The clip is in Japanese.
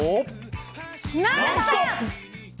「ノンストップ！」。